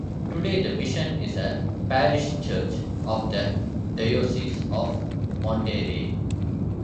Today the mission is a parish church of the Diocese of Monterey.